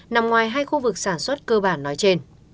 nằm ngoài hai khu vực sản xuất cơ bản nói trên